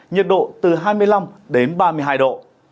nhiệt độ từ hai mươi năm đến ba mươi hai độ